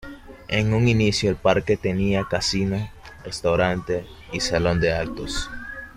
En un inicio el parque tenía casino, restaurante y salón de actos.